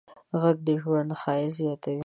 غږونه د ژوند ښایست زیاتوي.